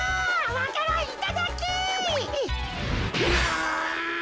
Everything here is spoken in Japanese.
わか蘭いただき。